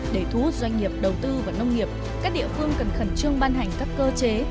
để thú doanh nghiệp đầu tư và nông nghiệp các địa phương cần khẩn trương ban hành các cơ chế